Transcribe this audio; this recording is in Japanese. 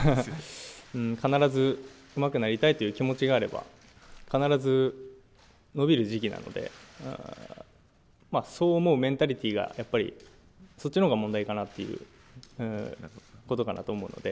必ず、うまくなりたいという気持ちがあれば、必ず伸びる時期なので、そう思うメンタリティーが、そっちのほうが問題かなということかなと思うので。